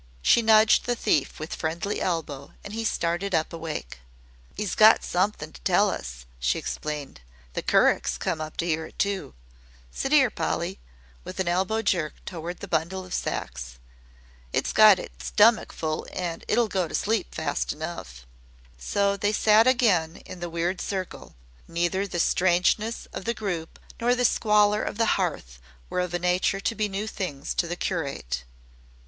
She nudged the thief with friendly elbow and he started up awake. "'E's got somethin' to tell us," she explained. "The curick's come up to 'ear it, too. Sit 'ere, Polly," with elbow jerk toward the bundle of sacks. "It's got its stummick full an' it'll go to sleep fast enough." So they sat again in the weird circle. Neither the strangeness of the group nor the squalor of the hearth were of a nature to be new things to the curate.